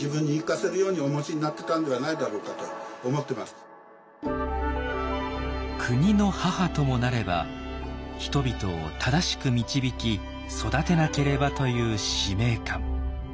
自分の子どもがいないが国の母ともなれば人々を正しく導き育てなければという使命感。